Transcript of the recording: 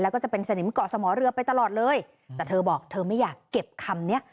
แล้วก็จะเป็นสนิมเกาะสมอเรือไปตลอดเลยแต่เธอบอกเธอไม่อยากเก็บคำเนี้ย